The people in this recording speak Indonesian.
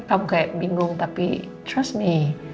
kamu kayak bingung tapi trust me